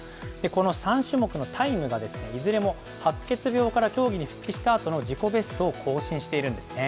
この３種目のタイムが、いずれも白血病から競技に復帰したあとの自己ベストを更新しているんですね。